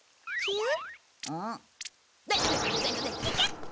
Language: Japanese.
えっ！